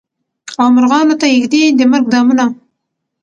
او مرغانو ته ایږدي د مرګ دامونه